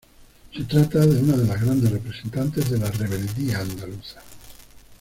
Se trata de una de las grandes representantes de la rebeldía andaluza.